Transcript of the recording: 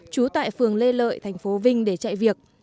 trú tại phường lê lợi thành phố vinh để chạy việc